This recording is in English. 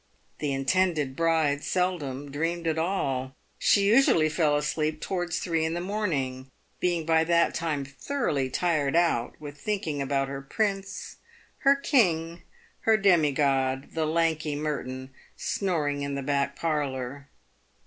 The intended bride seldom dreamed at all. She usually fell to sleep towards three in the morn ing, being by that time thoroughly tired out with thinking about her prince, her king, her demi god — the lanky Merton, snoring in the back parlour.